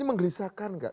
ini menggelisahkan enggak